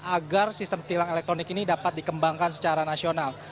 agar sistem tilang elektronik ini dapat dikembangkan secara nasional